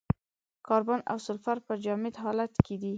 کاربن او سلفر په جامد حالت کې دي.